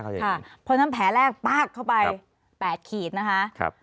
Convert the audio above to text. ค่ะพนั้นแผลแรกปลา๊บคอบไปแปดขีดนะคะครับ